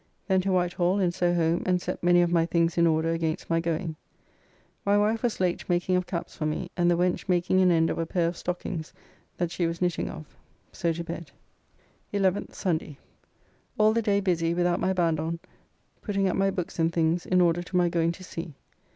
Then to Whitehall and so home and set many of my things in order against my going. My wife was late making of caps for me, and the wench making an end of a pair of stockings that she was knitting of. So to bed. 11th. (Sunday.) All the day busy without my band on, putting up my books and things, in order to my going to sea.